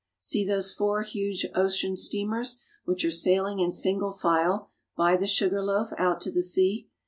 See those four huge ocean steamers which are sailing in single file by the sugar loaf out to the sea.